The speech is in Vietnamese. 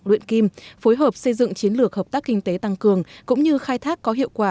luyện kim phối hợp xây dựng chiến lược hợp tác kinh tế tăng cường cũng như khai thác có hiệu quả